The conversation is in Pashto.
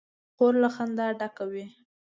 خور له خندا ډکه وي.